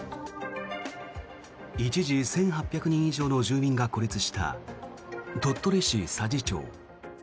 一時、１８００人以上の住民が孤立した鳥取市佐治町。